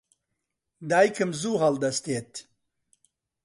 دایکم زوو هەڵدەستێت.